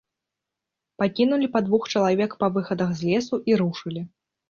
Пакінулі па двух чалавек па выхадах з лесу і рушылі.